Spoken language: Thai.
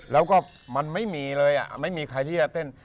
แล้วก็มันไม่มีเลยไม่มีใครที่จะเต้น